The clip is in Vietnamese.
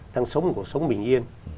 đang sống một cuộc sống bình yên